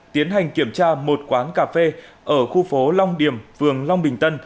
tiến hành kiểm tra một quán cà phê ở khu phố long điểm phường long bình tân